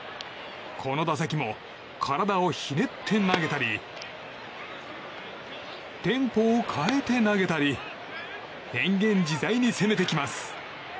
この打席も体をひねって投げたりテンポを変えて投げたり変幻自在に攻めてきます。